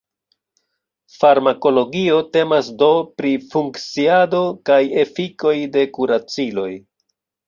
Farmakologio temas do pri funkciado kaj efikoj de kuraciloj.